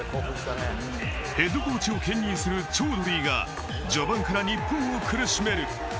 ヘッドコーチを兼任するチョードリーが序盤から日本も苦しめる。